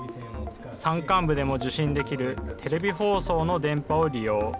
山間部でも受信できるテレビ放送の電波を利用。